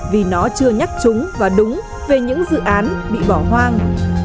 vì nó chưa nhắc chúng và đúng về những dự án bị bỏ hoang